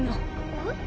えっ？